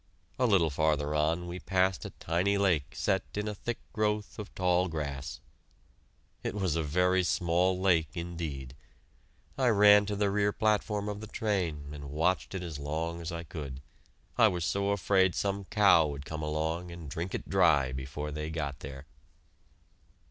A little farther on we passed a tiny lake set in a thick growth of tall grass. It was a very small lake, indeed. I ran to the rear platform of the train and watched it as long as I could; I was so afraid some cow would come along and drink it dry before they got there.